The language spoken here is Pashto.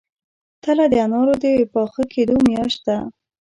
تله د انارو د پاخه کیدو میاشت ده.